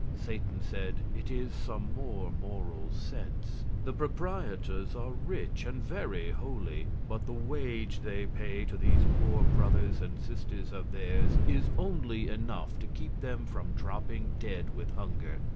Satan said: "It is some more Moral Sense. The proprietors are rich, and very holy; but the wage they pay to these poor brothers and sisters of theirs is only enough to keep them from dropping dead with hunger.